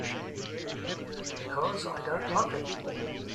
Because I don't love him.